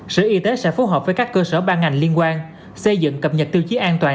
sở y tế sẽ phối hợp với các cơ sở ban ngành liên quan xây dựng cập nhật tiêu chí an toàn